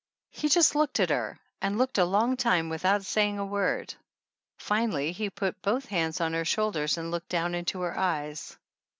He just looked at her and looked a long time without saying a word. Finally he put both hands on her shoulders and looked down into her eyes.